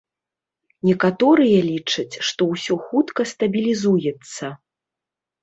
Некаторыя лічаць, што ўсё хутка стабілізуецца.